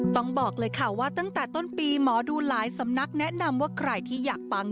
บอกเลยค่ะว่าตั้งแต่ต้นปีหมอดูหลายสำนักแนะนำว่าใครที่อยากปัง